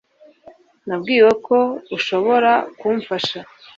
nabwiwe ko ushobora kumfasha